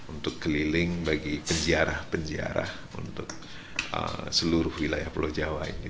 untuk keliling bagi penjara penyiarah untuk seluruh wilayah pulau jawa ini